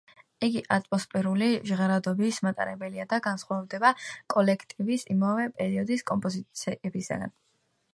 იგი ატმოსფერული ჟღერადობის მატარებელია და განსხვავდება კოლექტივის იმავე პერიოდის კომპოზიციებისგან.